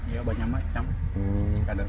ya banyak macam